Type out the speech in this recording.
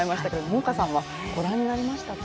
桃花さんはご覧になりましたか？